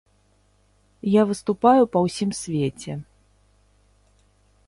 Я выступаю па ўсім свеце.